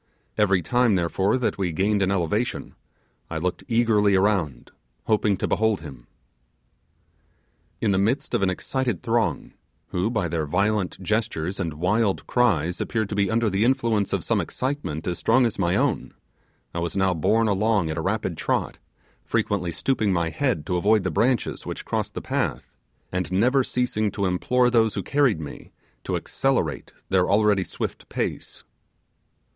Every time therefore that we gained an elevation, I looked eagerly around, hoping to behold him. In the midst of an excited throng, who by their violent gestures and wild cries appeared to be under the influence of some excitement as strong as my own, I was now borne along at a rapid trot, frequently stooping my head to avoid the branches which crossed the path, and never ceasing to implore those who carried me to accelerate their already swift pace.